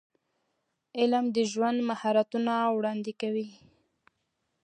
علم د ژوند مهارتونه وړاندې کوي.